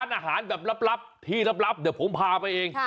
อาหารแบบลับที่ลับเดี๋ยวผมพาไปเอง